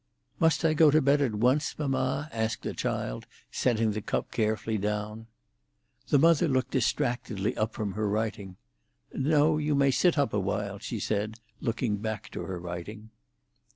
"Must I go to bed at once, mamma?" asked the child, setting the cup carefully down. The mother looked distractedly up from her writing. "No; you may sit up a while," she said, looking back to her writing.